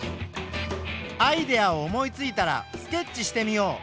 アイデアを思いついたらスケッチしてみよう。